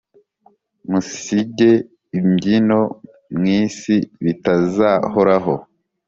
musige iby'ino mw isi bitazahoraho,